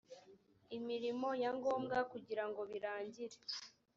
imirimo ya ngombwa kugira ngo birangire